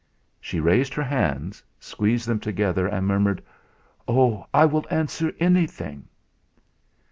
She raised her hands, squeezed them together, and murmured: "Oh! I will answer anything."